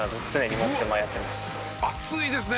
熱いですね！